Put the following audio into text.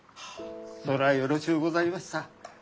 それはよろしゅうございました。